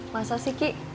masa sih ki